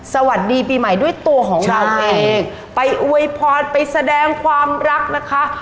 สวัสดีปีใหม่ด้วยตัวของเราเองไปอวยพรไปแสดงความรักนะคะ